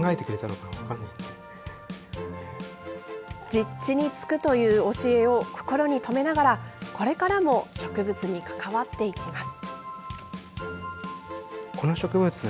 実地につくという教えを心に留めながらこれからも植物に関わっていきます。